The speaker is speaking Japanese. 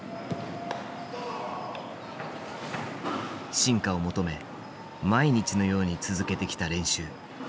進化を求め毎日のように続けてきた練習。